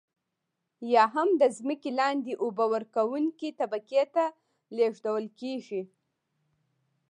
یا هم د ځمکې لاندې اوبه ورکونکې طبقې ته لیږدول کیږي.